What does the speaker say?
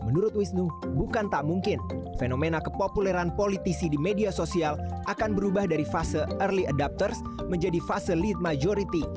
menurut wisnu bukan tak mungkin fenomena kepopuleran politisi di media sosial akan berubah dari fase early adopters menjadi fase lead majority